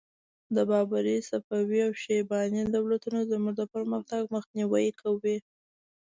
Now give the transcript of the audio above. د بابري، صفوي او شیباني دولتونو زموږ د پرمختګ مخنیوی کاوه.